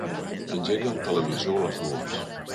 Engega el televisor a les dues.